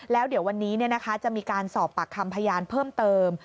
แล้วเดี๋ยววันนี้จะมีการสอบปากคำพยานเพิ่มเติม